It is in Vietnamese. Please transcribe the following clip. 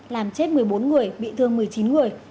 làm chết một mươi bốn người bị thương một mươi chín người